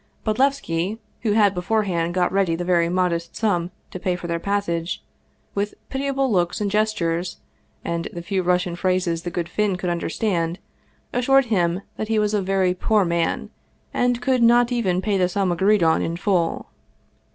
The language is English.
Bod levski, who had beforehand got ready the very modest sum to pay for their passage, with pitiable looks and gestures and the few Russian phrases the good Finn could under stand, assured him that he was a very poor man, and could not even pay the sum agreed on in full.